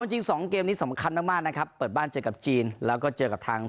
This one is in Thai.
จริงสองเกมนี้สำคัญมากมากนะครับเปิดบ้านเจอกับจีนแล้วก็เจอกับทาง